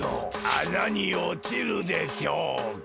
あなにおちるでしょうが。